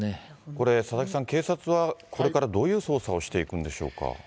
これ、佐々木さん、警察はこれからどういう捜査をしていくんでしょうか。